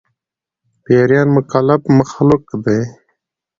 پيريان مکلف مخلوق دي